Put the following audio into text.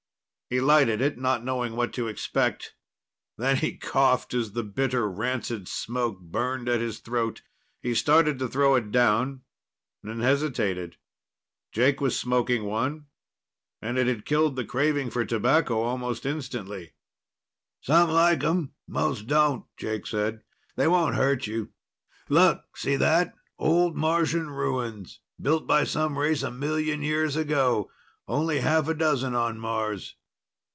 He lighted it, not knowing what to expect. Then he coughed as the bitter, rancid smoke burned at his throat. He started to throw it down, and hesitated. Jake was smoking one, and it had killed the craving for tobacco almost instantly. "Some like 'em, most don't," Jake said. "They won't hurt you. Look see that? Old Martian ruins. Built by some race a million years ago. Only half a dozen on Mars."